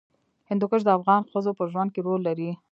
هندوکش د افغان ښځو په ژوند کې رول لري.